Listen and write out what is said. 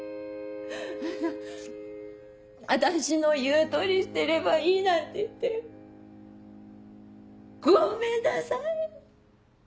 「私の言う通りしてればいい」なんて言ってごめんなさい。